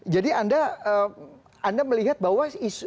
jadi anda melihat bahwa isu